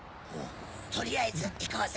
取りあえず行こうぜ。